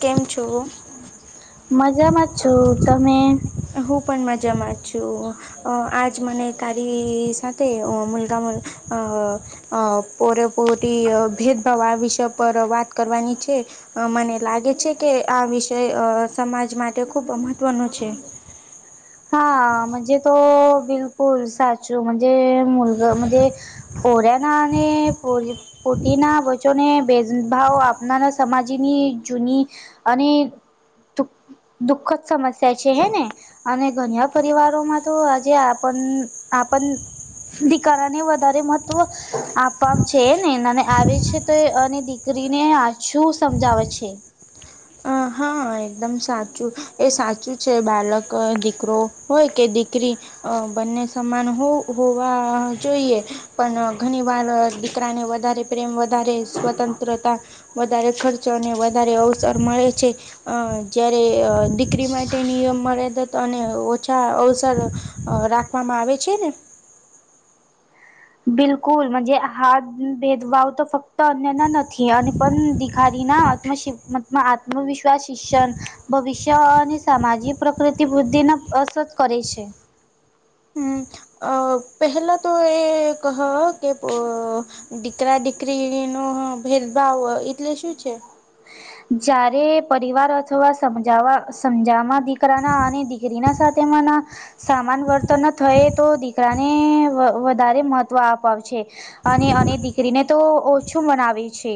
કેમ છો. મજામાં છું તમે હું પણ મજામાં છું અ આજ મને તારી સાથે મુલગા મુ અ અ પૂરેપૂરી ભેદભાવ આ વિષય પર વાત કરવાની છે અ મને લાગે છે કે આ વિષય અ સમાજ માટે ખૂબ મહત્વનો છે હા મનજે તો બિલકુલ સાચું મનજે મુલગ મનજે પોરા નાને પુરી પતિ ના વચને ભેદભાવ આપનારા સમાજની જૂની અને દ દુખદ સમસ્યા છે હે ને અને ઘન્યા પરિવારોમાં તો આજે આપન આપણ દીકારાને વધારે મહત્ત્વ આપવામ છે ને અને આવે છે તો એ અને દીકરીને આછું સમજાવે છે હ હા હા એકદમ સાચું એ સાચું છે બાળક દીકરો હોય કે દીકરી અ બંને સમાન હોવા જોઈએ પણ ઘણી વાર દીકરાને વધારે પ્રેમ વધારે સ્વતંત્રતા વધારે ખર્ચો અને વધારે અવસર મળે છે. અ જ્યારે દીકરી માટે નિયમ મર્યાદત અને ઓછા અવસર રાખ આપવામાં આવે છે ને બિલકુલજ હાથ ભેદભાવ તો ફક્ત અન્યના નથી અને પણ દિખારી ના ત્ [unintelligible] આત્મવિશ્વાસ શિક્ષણ ભવિષ્ય અને સામાજિક પ્રકૃતિ વૃદ્ધિના અસર કરે છે. હમ્મ અ પહેલા તો એ કહ કે અ દીકરા દીકરીનો ભેદભાવ એટલે શું છે? જ્યારે પરિવાર અથવા સમજાવા સમજાવવા દીકરાના અને દીકરીના સાથે માના સામાન વર્તન થય તો દીકરાને વધારે મહત્વ અપાવ છે અને અને દીકરીને તો ઓછું મનાવે છે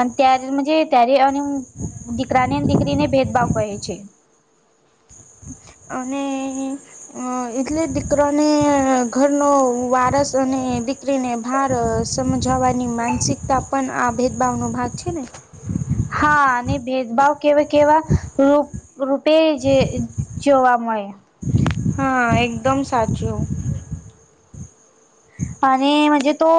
અને ત્યારે મનજે ત્યારે અને દીકરાને દીકરીને ભેદભાવ કહે છે. અને અ એટલે દીકરાને ઘરનો વારસ અને દિકરી ને ભાર સમજાવાની માનસિકતા પણ આ ભેદભાવ નો ભાગ છે ને હા અને ભેદભાવ કેવાં કેવાં રૂ રૂપે જે જોવા મળે હા એકદમ સાચું અને આજે તો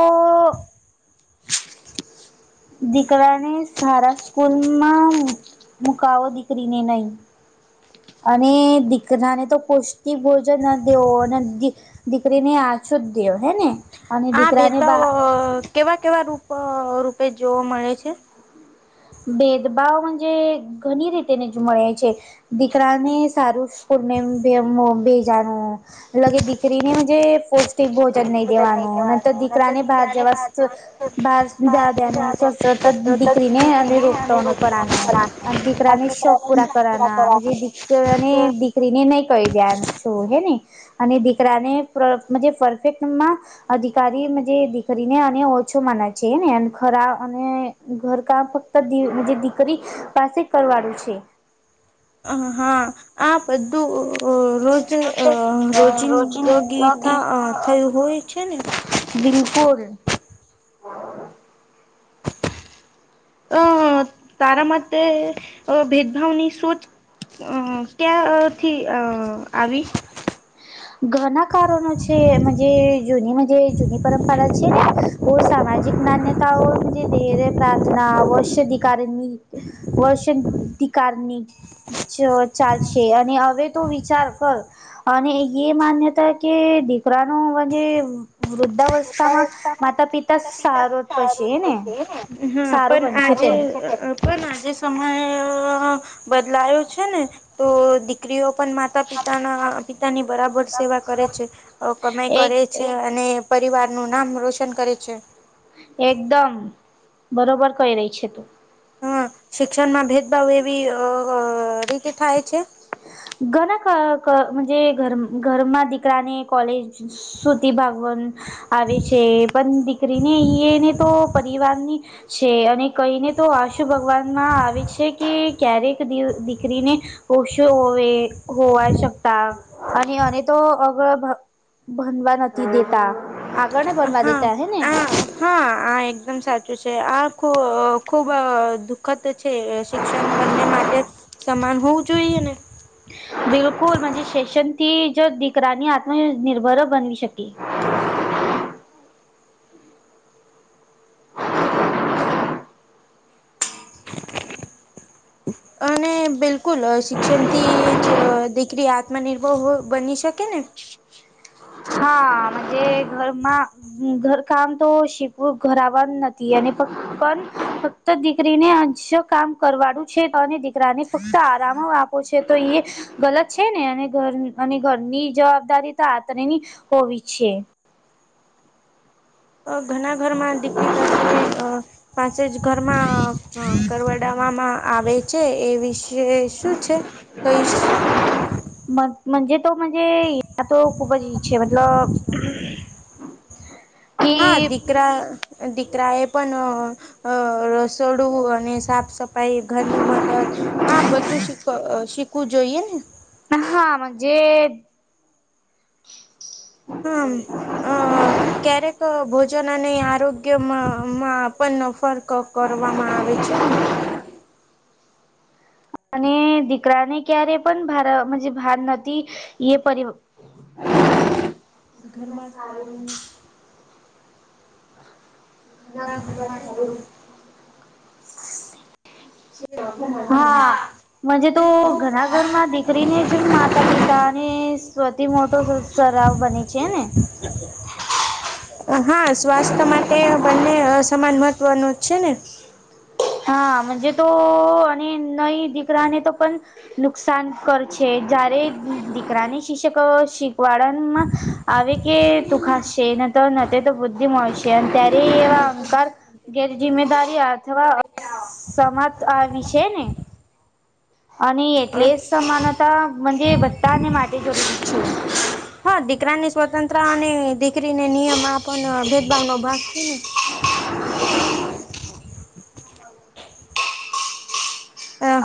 દીકરાને સારા સ્કૂલમાં મુકાવો દીકરીને નહીં. અને દીકરાને તો પૌષ્ટિક ભોજનો દેવો દીકરીને અશુદ્ધ દેવો હેને આ ભેદભાવ કેવાં કેવાં રૂપ રૂપે જોવા મળે છે. ભેદભાવ મજે ઘણી રીતે ને જ મળે છે. દીકરા ને સારુંને [unintelligible] બે જા લગે દીકરીને મનજે તે ભોજન નહી દેવાનું નંતર દીકરાને બાર જવા ભાર સુધા દેનું સતત દિકરી ને અને રો દીકરાને શોક પુરા કર દીકરા દીકરીને નહી કહી દ્યા છો હે ને અને દીકરાને પરફેક્ટમાં દીિકારી દીકરીને અને ઓછો માને છે ને ખરા અને ઘર કામ દીકરી પાસે કરવાળું છે અ હા આ પધું રોજ રોજિંદગી થા થયું હોય છે ને બિલકુલ અ તારાં માટે ભેદભાવની સોચ ક્યાંથી આવી ઘણા કારણો છે જૂની જૂની પરંપરા છે ને હો સામાજિક માન્યતા હોજ ધેર્ય પ્રાર્થના વશધિકારની વર્ષધિકારની જ ચાલશે અને હવે તો વિચાર કર અને એ માન્યતા કે દીકરાનું અને વૃદ્ધાવસ્થામાં માતા પિતા સારો જ પસે હને હા પણ આજે પણ આજે સમયે બદલાયો છે ને તો દીકરીઓ પણ મા માતા પિતાના પિતાની બરાબર સેવા કરે છે કમાઈ એક કરે છે અને પરિવાર નું નામ રોશન કરે છે એકદમ બરોબર કઈ રહી છે તું હા શિક્ષણમાં ભેદભાવ એવી રીતે થાય છે ઘણાર ઘરમાં દીકરાને કોલેજ સુુતિ ભાગવન આવે છે પણ દીકરી ને એને તો પરિવારની છે અને કઈને તો આશુ ભગવાન માં આવે છે કે ક્યારેક વરીને ઓષ હોવે હોવા શકતા અને એને તો અગળ ભનવા નથી દેતા ઘણા બનવા હા. દેતા હે ને આ હા આ એકદમ સાચું છે આ ખ ખુબ દુ વખત છે શિક્ષણ બંને માટે સમાન હોવું જોઈએ ને બિલકુલજ શેશનથી જ દીકરાની આત્મ નિર્ભર બનવી શકી હ અને બિલકુલ શિક્ષણ થી જ દીકરી આત્મનિર્ભર બની શકે ને હા ઘરમાં ઘર કામ તો શીખવું ઘરવાનું નથી અનેક્ તો દીકરીને જો કામ કરવાડું છે તો અને દીકરાને ફક્ત આરામ આપો છે તો એ ગલત છે ને અને ઘર અને ઘરની જવાબદારી તો આંતરેની હોવી જ છે ઘણા ઘરમાં દીકરી પાસે પાસે જ ઘરમાં કરવા વામાં આવે છે એ વિશે શું છે કઈ જ તોજ તો ખૂબ જ ઈચ્છ જે મતલબ હા કે દીકરા દીકરા એ પણ અ રસોડું અને સાફ સફાઈ ઘરની મદદ હા બધું શી શીખવું જોઈએ ને હાજે હા અ ક્યારેક ભોજન અને આરોગ્યમાં પણ ફરક ક કરવામાં આવે છે ને અને દીકરાને ક્યારે પણ ભાર ભાર નથી એ પર ઘરમાં સારું ના ભરવાર ધડું હા જ તો ઘણા ઘરમાં દીકરીને જ માતા પિતા અને સ્વતી મોટો સરાવ બને છે ને હ હા સ્વાસ્થ્ય માટે બંને સમાન મહત્વ ન જ છે ને હાજે તો અને નઈ દીકરાને તો પણ નુકસાન કર છે જ્યારે દીકરાને શિક્ષકો શીખવાડમાં આવી કે તું ખાસશે ન તો તો બુદ્ધિ મળશે અને ત્યારે એવા અહંકાર ગેરજિમ્મેદારી અથવા સમાત આ વિશે ને અને એટલે જ સમાનતાજ બધધા ને માટેટી જરૂરી છે હા દીકરાની સ્વતંત્ર અને દીકરીને નિયમ આપનો ભેદભાવ નો ભાગ છે ને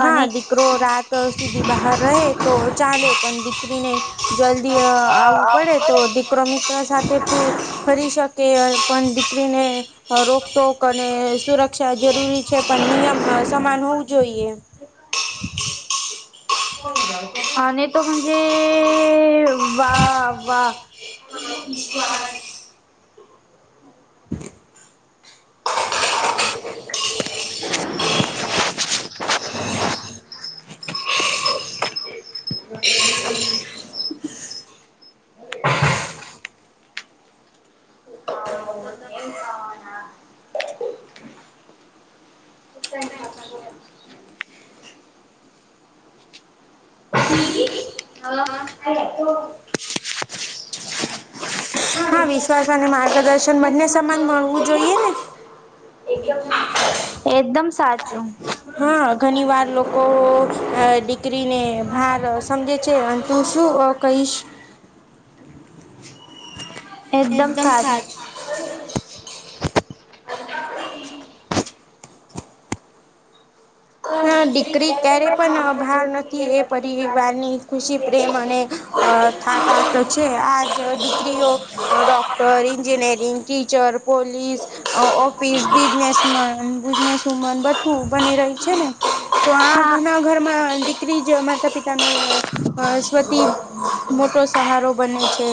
હા અને દીકરો રાત સુધી બહાર રહે તો ચાલે પણ દીકરીને જલ્દી અ આવું પડે તો દીકરો મિત્ર સાથે ફરી શક કે અ પણ દીકરીને અ રોકટોક અને સુરક્ષા જરૂરી છે પણ નિયમ અ સમાન હોવું જોઈએ. પણ ગકોને [unintelligible] જે વા વા [unintelligible] હ [unintelligible] હ હ [unintelligible] [unintelligible] [unintelligible] [unintelligible] ના ના [unintelligible] થી હા છે જો હા વિશ્વાસ અને માર્ગદર્શન બંને સમાન મળવું જોઈએ ને. એકદમ સાચું એકદમ સાચું હા! ઘની વાર લોકો અ ડી દીકરીને ભાર સમજે છે અને તું શું અ કઈશ? એકદમ સાચ હા દિકરી ક્યારેય પન અભાર નથી એ પરિવારની ખુશી પ્રેમ અને અ થાકાત છે આ જ દિકરીઓ ડોક એન્જિનિયરિંગ, ટીચર, પોલીસ, અ ઓફિસ, બિઝનેસમન બીજનેસ મન બધું બની રહી છે ને, તો આ હા ઘના ઘરમાં દીકરી જ માતા-પિતા નો સ્વતિ મોટો સહારો બને છે.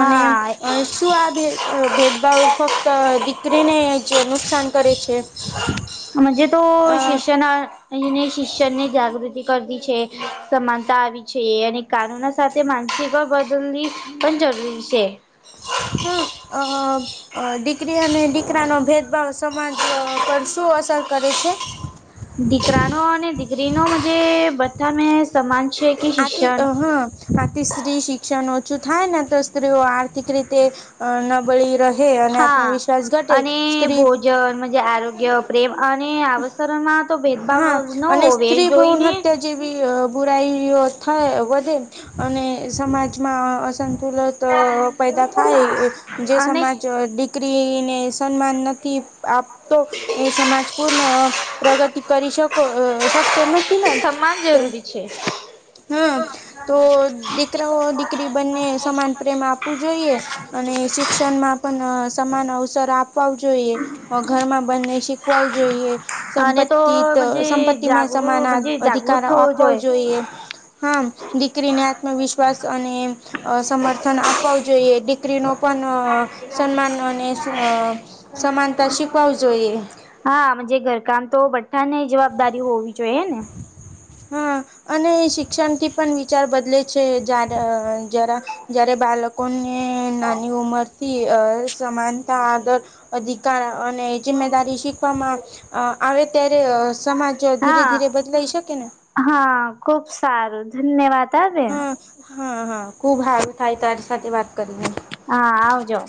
અને અ શું આ ભે અ ભેદભાવ ફક્ત દીકરીને જ નુકસાન કરે છે? મજે તો અ શિષ્યના રહીને શિષ્યની જાગૃતિ કરતી છે. સમાનતા આવી છે અને કાનૂના સાથે માનસિકા બદલવી પન જરૂરી છે. હા અ અ દીકરી અને દીકરા નો ભેદભાવ સમાજ પર શું અસર કરે છે? દીકરાનો અને દીકરીનો જે બધા મે સમાન છે કે આથી શિક્ષણ હા આથી સ્ત્રી શિક્ષણ ઓછું થાય ને તો સ્ત્રીઓ આર્થિક રીતે નબળી રહ હા! અને ભોજન મજે આરોગ્ય પ્રેમ અને અવસરમાં તો ભેદભાવ ન હોવે જોઈને થી બુરાઈઓ થઇ વધે અને સમાજમાં અસંતુલન તો પેદા થાય એ જે અને સમાજ દી કરીને સન્માન નથી આપતો, એ સમાજ પૂર્ણ પ્રગતિ કરી શકો અ શકતો નથી ને? સમાન જરૂરી છે હા, તો દીકરાઓ દીકરી બંને સમાન પ્રેમ આપવું જોઈએ. અને શિક્ષણમાં પણ સમાન અવસર આપવા જોઈએ ઘરમાં બંને શીખવા જોઈએ અને સંપત્તિ તો સંપત્તિમાં સમાન અધિકાર આપવા જોઈએ. હા દીકરીને આત્મવિશ્વાસ અને અ સમર્થન આપવું જોઈએ દીકરી નો પન સન્માન અને અ સમાનતા શિકવાવ જોઈએ હા જે ઘરકામ તો બધાને જવાબદારી હોવી જોઈએ ને હા! અને એ શિક્ષણથી પણ વિચાર બદલે છે જાડ જરા જયારે બાલક લોકોને નાની ઉંમરથી અસમાનતા આદર અધિકાર અને જીમેદારી શીખવામાં અ આવે ત્યારે અ સમાજ ધીરે હા ધીરે બદલાઈ શકે ને? હા! ખૂબ સારું ધન્યવાત હ બેન હા હા હા ખુબ સારું થાય તારી સાથે વાત કરીને હા આવજો